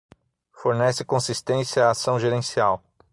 Fornece consistência à ação gerencial